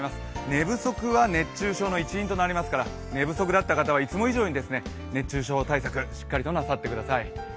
寝不足は熱中症の一因となりますから、寝不足だった方はいつも以上に熱中症対策をしっかりとなさってください。